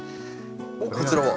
おっこちらは？